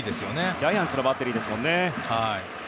ジャイアンツのバッテリーですもんね。